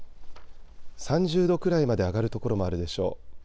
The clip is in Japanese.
３０度くらいまで上がる所もあるでしょう。